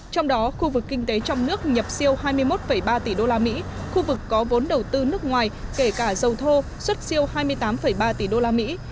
trong đó khu vực kinh tế trong nước nhập siêu hai mươi một ba tỷ đô la mỹ khu vực có vốn đầu tư nước ngoài kể cả dầu thô xuất siêu hai mươi tám ba tỷ đô la mỹ